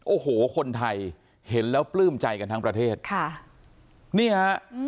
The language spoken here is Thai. โอ้โหคนไทยเห็นแล้วปลื้มใจกันทั้งประเทศค่ะนี่ฮะ